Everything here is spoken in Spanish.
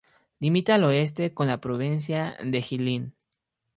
Limita al oeste con la provincia de Jilin.